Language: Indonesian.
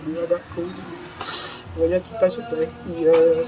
pokoknya kita suka ikhlas suka beropat